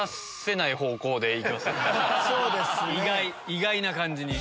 意外な感じに。